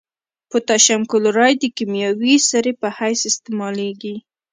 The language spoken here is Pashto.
پوتاشیم کلورایډ د کیمیاوي سرې په حیث استعمالیږي.